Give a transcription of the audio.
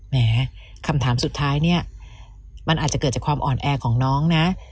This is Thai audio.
แหมคำถามสุดท้ายเนี่ยมันอาจจะเกิดจากความอ่อนแอของน้องนะ